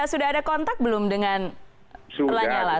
tapi sudah ada kontak belum dengan lanya lah